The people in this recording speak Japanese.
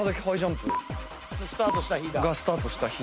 スタートした日。